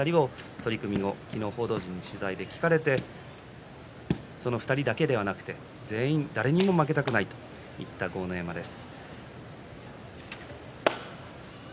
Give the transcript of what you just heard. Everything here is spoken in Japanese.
その辺りの取組後の報道陣の取材で聞かれてこの２人だけではなく全員に誰にも負けたくないと言った豪ノ山です。